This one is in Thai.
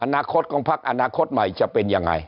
อนาคตของพักอนาคตใหม่จะเป็นยังไง